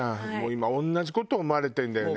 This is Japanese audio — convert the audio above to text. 今同じ事思われてるんだよね。